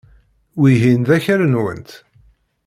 Wihin d akal-nwent.